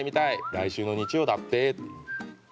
「来週の日曜だって」